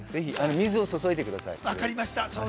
水を注いでください。